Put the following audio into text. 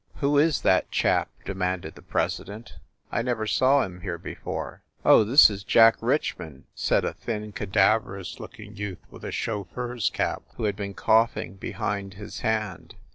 "Who is that chap?" demanded the president. "I never saw him here before." "Oh, this is Jack Richmond," said a thin, cadav erous looking youth with a chauffeur s cap, who had been coughing behind his hand.